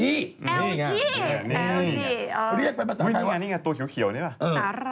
นี่ไงเรียกเป็นภาษาไทยว่านี่ไงตัวเขียวนี่หรือเปล่า